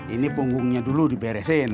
ini punggungnya dulu diberesin